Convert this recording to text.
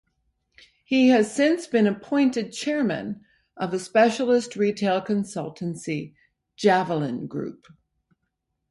He has since been appointed chairman of the specialist retail consultancy "Javelin Group".